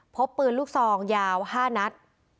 พบปืนลูกซองยาว๕นัด